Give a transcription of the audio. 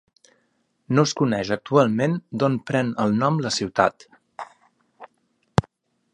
No es coneix actualment d'on pren el nom la ciutat.